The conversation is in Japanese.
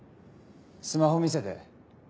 スマホ見せて。